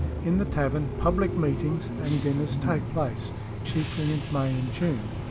In the tavern public meetings and dinners take place, chiefly in May and June.